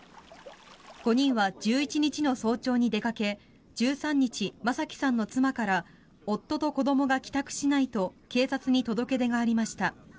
５人は１１日の早朝に出かけ１３日、正樹さんの妻から夫と子どもが帰宅しないと警察に届け出がありました。